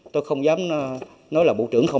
tôi không dám nói là bộ trưởng không